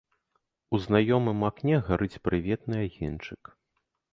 У знаёмым акне гарыць прыветны агеньчык.